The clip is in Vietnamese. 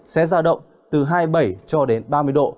sẽ ra động từ hai mươi bảy cho đến ba mươi độ